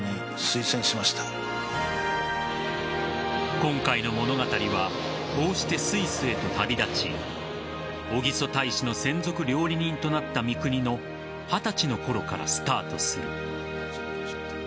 今回の物語はこうしてスイスへと旅立ち小木曽大使の専属料理人となった三國の二十歳のころからスタートする。